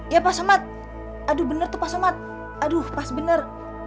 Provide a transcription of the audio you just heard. ya pak somat aduh bener tuh pak somat aduh pas bener